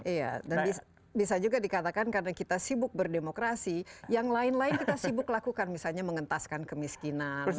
iya dan bisa juga dikatakan karena kita sibuk berdemokrasi yang lain lain kita sibuk lakukan misalnya mengentaskan kemiskinan